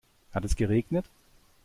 Hat es geregnet?